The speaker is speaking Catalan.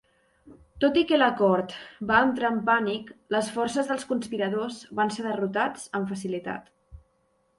Tot i que la cort va entrar en pànic, les forces dels conspiradors van ser derrotats amb facilitat.